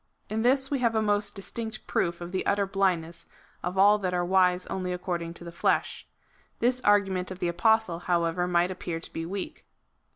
In this we have a most dis tinct proof of the utter blindness of all that are wise only according to the flesh. This argument of the Apostle, how ever, might appear to be weak.